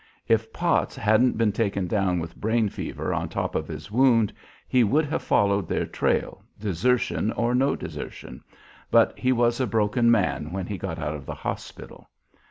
If Potts hadn't been taken down with brain fever on top of his wound he would have followed their trail, desertion or no desertion, but he was a broken man when he got out of hospital.